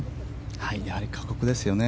やはり過酷ですよね。